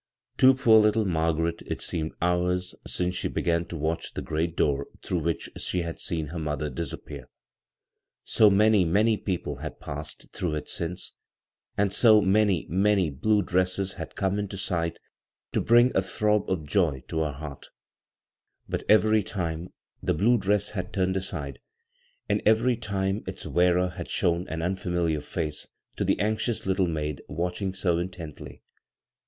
To poor little Margaret it seemed hours since she began to watch the great door through which she had seen her mother iMs appear. So many, many people had passe*.' through it since, and so many, many blue dresses had OHne into sight to bring a big throb <rf joy to ha heart But every time bvGoog[c CROSS CURRENTS the blue dress had turned aside, and every time its wearer had shown an unfamiliar face to the anxious little maid watching so in tently.